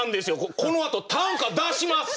このあと短歌出しまっせ！